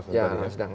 ya rawan sedang